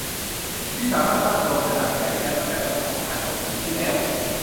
ที่สามารถสร้างโดมขนาดใหญ่ได้ตั้งแต่เมื่อ สอง พันกว่าปีที่แล้ว